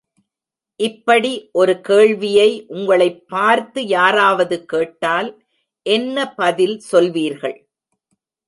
இப்படி ஒரு கேள்வியை உங்களைப் பார்த்து யாராவது கேட்டால் என்ன பதில் சொல்வீர்கள்?